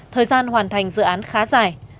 thời gian hoàn thành dự án khá dài